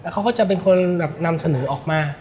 เขาก็จะเป็นคนนำเสนอออกมา